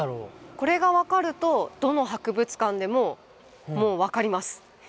これが分かるとどの博物館でももう分かります。